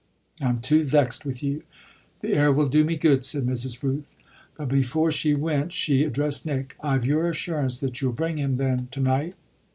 "I'm too vexed with you; the air will do me good," said Mrs. Rooth. But before she went she addressed Nick: "I've your assurance that you'll bring him then to night?"